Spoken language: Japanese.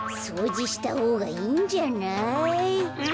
そうじしたほうがいいんじゃない？